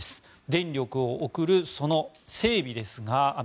電力を送るその網の整備ですが。